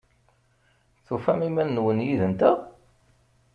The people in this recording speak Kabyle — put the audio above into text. Tufam iman-nwen yid-nteɣ?